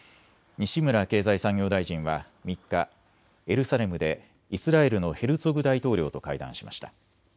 西村経済産業大臣は３日、エルサレムでイスラエルのヘルツォグ大統領と会談しました。